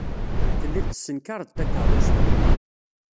Tellid tessenkared takeṛṛust.